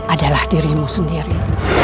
adalah dirimu sendiri